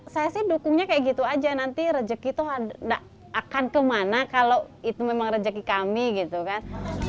saya sih dukungnya kayak gitu aja nanti rezeki tuh gak akan kemana kalau itu memang rezeki kami gitu kan